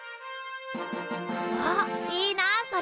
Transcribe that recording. わっいいなそれ。